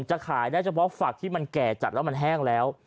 จะขายได้เฉพาะฝักที่มันแก่จัดแล้วมันแห้งแล้ว